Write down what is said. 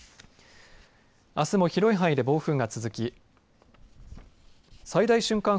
あすも広い範囲で暴風が続き最大瞬間